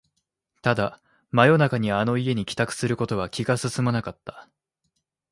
ただ、真夜中にあの家に帰宅することは気が進まなかった